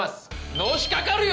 のしかかるよ！